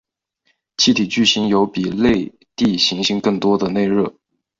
气体巨星有比类地行星更多的内热。